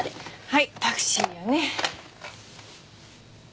はいタクシーやね。